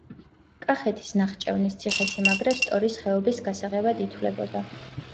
კახეთის ნახჭევნის ციხესიმაგრე სტორის ხეობის გასაღებად ითვლებოდა.